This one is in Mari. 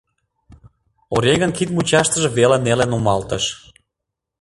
Оръеҥын кид мучаштыже веле неле нумалтыш.